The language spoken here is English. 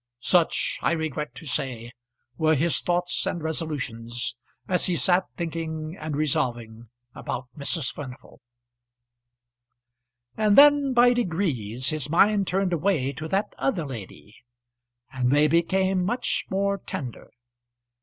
Such, I regret to say, were his thoughts and resolutions as he sat thinking and resolving about Mrs. Furnival. And then, by degrees, his mind turned away to that other lady, and they became much more tender.